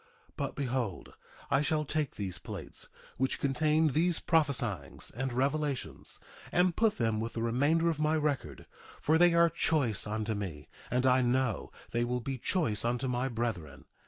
1:6 But behold, I shall take these plates, which contain these prophesyings and revelations, and put them with the remainder of my record, for they are choice unto me; and I know they will be choice unto my brethren.